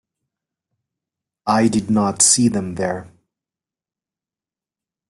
I did not see them there.